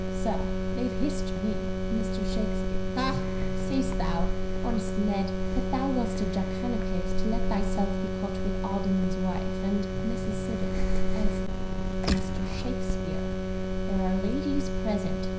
— Sir, they've hissed 7ne 1 Mr. Shakespeare. — Ha ! say'st thou, honest Ned ! But thou wast a jackanapes to let thyself be caught with the Alderman's wife and Mrs. S. {icily). — Mr. Shakespeare, there are ladies present.